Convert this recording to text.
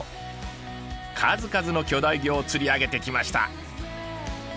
数々の巨大魚を釣り上げてきました。